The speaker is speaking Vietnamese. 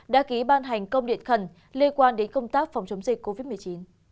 đã ký ban hành công điện khẩn liên quan đến công tác phòng chống dịch covid một mươi chín